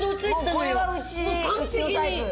もうこれはうちのタイプ。